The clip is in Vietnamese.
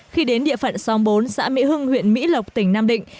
khi đến địa phận xóm bốn xã mỹ hưng huyện mỹ lộc tỉnh nam định